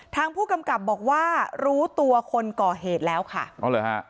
ทางผู้กำกับบอกว่ารู้ตัวคนก่อเหตุแล้วค่ะอ๋อเหรอฮะ